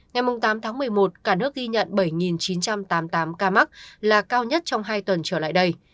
ngày tám tháng một mươi một cả nước ghi nhận bảy chín trăm tám mươi tám ca mắc là cao nhất trong hai tuần trở lại đây